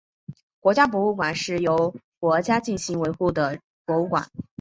国家博物馆是由国家进行维护的博物馆。